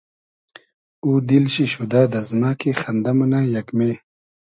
او دیل شی شودۂ دئزمۂ کی خئندۂ مونۂ یئگمې